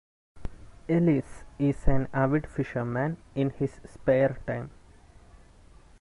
Ellis is an avid fisherman in his spare time.